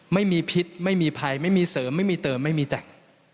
ไม่มีพิษไม่มีภัยไม่มีเสริมไม่มีเติมไม่มีแจก